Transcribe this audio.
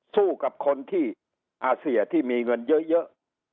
สู้กับคนที่อาเซียที่มีเงินเยอะ